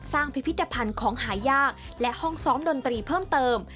พิพิธภัณฑ์ของหายากและห้องซ้อมดนตรีเพิ่มเติม